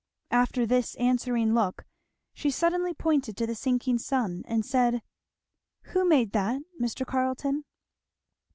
After this answering look she suddenly pointed to the sinking sun and said, "Who made that, Mr. Carleton?"